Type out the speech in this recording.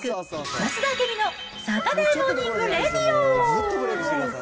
増田明美のサタデーモーニングレイディオ。